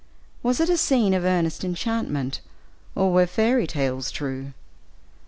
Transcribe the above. Was it a scene of earnest enchantment, or were fairy tales true?